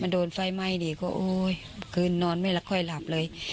โดนไฟไหม้นี่ก็โอ๊ยคืนนอนไม่ละค่อยหลับเลย